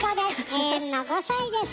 永遠の５歳です。